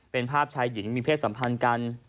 เป็นภาพชายหญิงมีเพศสัมพันธ์กัน